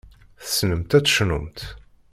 Tessnemt ad tecnumt.